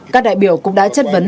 các đại biểu cũng đã chất vấn